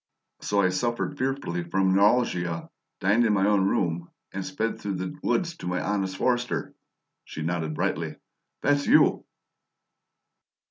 So I 'suffered fearfully from neuralgia,' dined in my own room, and sped through the woods to my honest forester." She nodded brightly. "That's YOU!"